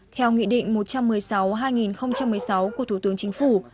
theo nghị định một trăm một mươi sáu hai nghìn một mươi sáu của thủ tướng chính phủ